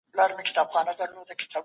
له مرګ څخه باید ټول عمر ونه ډار سو.